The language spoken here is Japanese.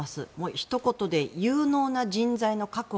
ひと言で有能な人材の確保。